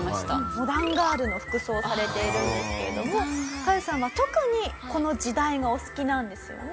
モダンガールの服装をされているんですけれどもカヨさんは特にこの時代がお好きなんですよね？